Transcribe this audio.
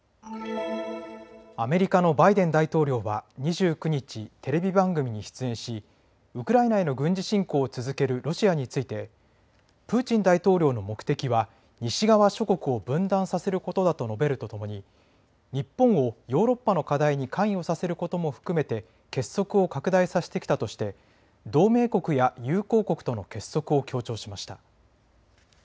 アメリカのバイデン大統領は２９日、テレビ番組に出演しウクライナへの軍事侵攻を続けるロシアについてプーチン大統領の目的は西側諸国を分断させることだと述べるとともに日本をヨーロッパの課題に関与させることも含めて結束を拡大させてきたとして同盟国や友好国との結束を強調しました。